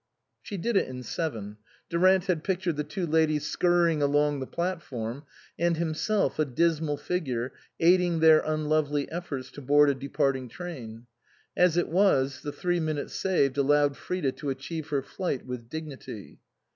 She did it in seven. Durant had pictured the two ladies scurrying along the platform, and himself, a dismal figure, aiding their unlovely efforts to board a departing train ; as it was, the three minutes saved allowed Frida to achieve her flight with dignity.